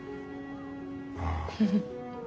ああ。